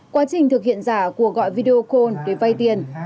quá trình thực hiện giả của gọi video call để vay tiền